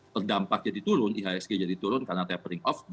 terdampak jadi turun ihsg jadi turun karena tapering off